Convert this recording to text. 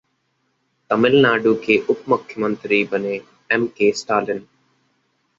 तमिलनाडु के उप मुख्यमंत्री बने एम के स्टालिन